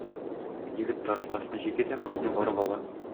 Егет тарантасны җигә дә кызны барып ала.